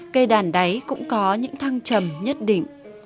cây đàn đáy cũng có những thăng trầm nhất định